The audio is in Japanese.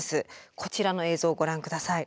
こちらの映像ご覧下さい。